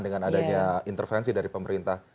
dengan adanya intervensi dari pemerintah